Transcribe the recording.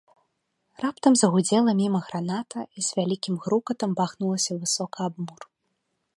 Раптам загудзела міма граната і з вялікім грукатам бахнулася высока аб мур.